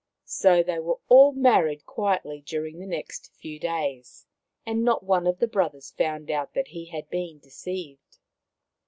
So they were all married quietly during the next few days, and not one of the brothers found out that he had been deceived.